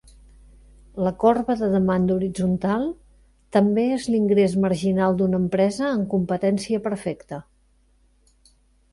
La corba de demanda horitzontal també és l'ingrés marginal d'una empresa en competència perfecta.